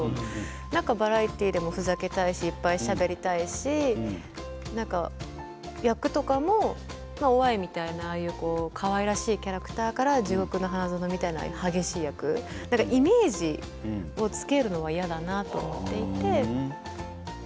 バラエティーでもふざけたいしいっぱいしゃべりたいし役とかも於愛みたいなかわいらしいキャラクターから「地獄の花園」のような激しいものまでイメージをつけるのは嫌だなと思っていました。